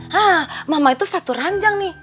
hah mama itu satu ranjang nih